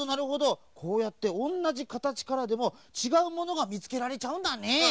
こうやっておんなじかたちからでもちがうものがみつけられちゃうんだね。